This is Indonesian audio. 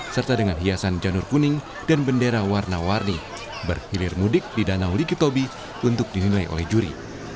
serta dengan hiasan janur kuning dan bendera warna warni berkilir mudik di danau likitobi untuk dinilai oleh juri